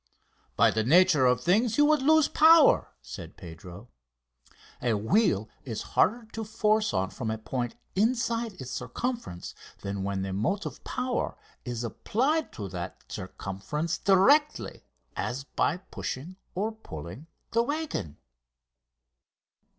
"By the nature of things you would lose power," said Pedro. "A wheel is harder to force on from a point inside its circumference than when the motive power is applied to that circumference directly, as by pushing or pulling the waggon."